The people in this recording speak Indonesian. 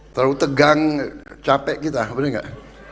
terlalu tegang capek kita bener gak